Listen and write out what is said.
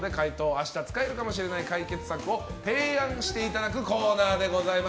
明日使えるかもしれない解決策を提案していただくコーナーです。